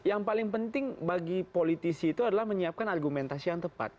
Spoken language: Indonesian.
yang paling penting bagi politisi itu adalah menyiapkan argumentasi yang tepat